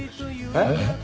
えっ？